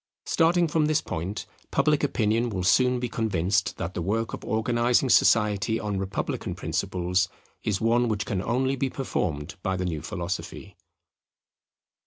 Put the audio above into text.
Starting from this point, public opinion will soon be convinced that the work of organizing society on republican principles is one which can only be performed by the new philosophy.